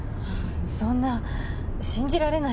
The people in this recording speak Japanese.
そんな信じられないけど。